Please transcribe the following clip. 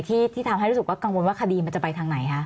ที่ทำให้รู้สึกว่ากังวลว่าคดีมันจะไปทางไหนคะ